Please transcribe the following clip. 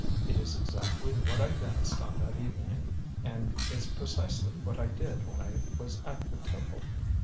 It is exactly what I danced on that evening, and is precisely what I did when I was at the Temple."